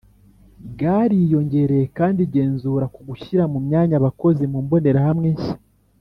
bwariyongereye kandi igenzura ku gushyira mu myanya abakozi mu mbonerahamwe nshya